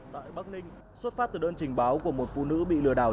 tại bắc ninh xuất phát từ đơn trình báo của một phụ nữ bị lừa đảo